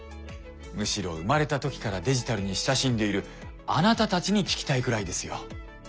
むしろ生まれた時からデジタルに親しんでいるあなたたちに聞きたいくらいですよ。